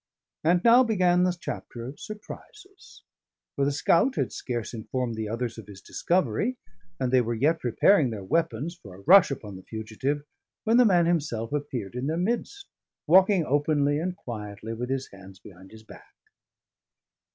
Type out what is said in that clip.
And now began the chapter of surprises, for the scout had scarce informed the others of his discovery, and they were yet preparing their weapons for a rush upon the fugitive, when the man himself appeared in their midst, walking openly and quietly, with his hands behind his back.